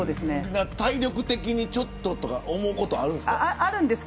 体力的にちょっとと思うことあるんですか。